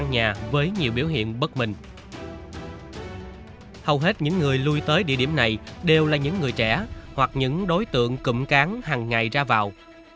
hầu hết những người lui tới địa điểm này đều là những người trẻ hoặc những đối tượng cụm cán hàng ngày ra vào